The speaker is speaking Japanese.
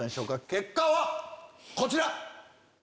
結果はこちら！